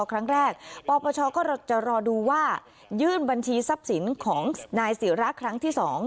ครั้งแรกปปชก็จะรอดูว่ายื่นบัญชีทรัพย์สินของนายศิราครั้งที่๒